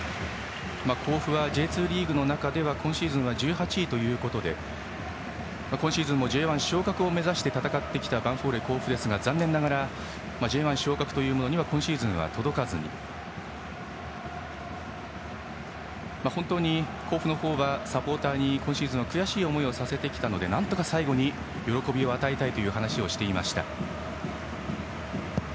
甲府はＪ２リーグの中では今シーズン１８位ということで今シーズンもＪ１昇格を目指して戦ってきたヴァンフォーレ甲府ですが残念ながらＪ１昇格には今シーズンは届かずに本当に甲府はサポーターに今シーズンは悔しい思いをさせてきたのでなんとか最後に喜びを与えたいという話をしていました。